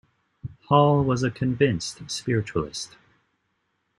Hall was a convinced spiritualist.